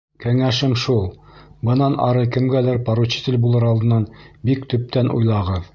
Кәңәшем шул: бынан ары кемгәлер поручитель булыр алдынан бик төптән уйлағыҙ.